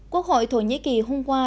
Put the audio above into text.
quốc hội thổ nhĩ kỳ hôm qua